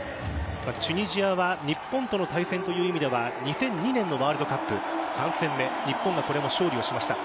チュニジアは日本との対戦という意味では２００２年のワールドカップ３戦目、日本が勝利をしました。